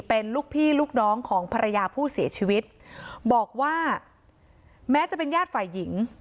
เป็นลูกพี่ลูกน้องของภรรยาผู้เสียชีวิตบอกว่าแม้จะเป็นญาติฝ่ายหญิง